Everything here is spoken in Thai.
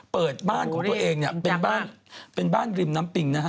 เปิดบ้านของตัวเองเนี่ยเป็นบ้านเป็นบ้านริมน้ำปิงนะฮะ